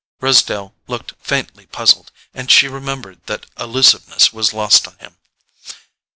Rosedale looked faintly puzzled, and she remembered that allusiveness was lost on him.